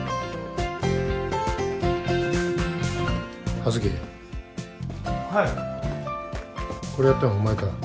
葉月はいこれやったのお前か？